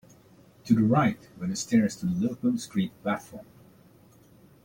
To the right were the stairs to the Liverpool Street platform.